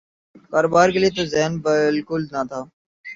کاروبار کیلئے تو ذہن بالکل نہ تھا۔